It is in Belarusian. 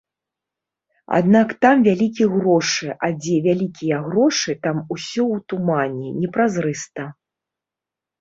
Аднак там вялікі грошы, а дзе вялікія грошы, там усё ў тумане, непразрыста.